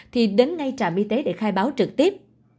thì đến ngay trạm y tế để khai báo trực tiếp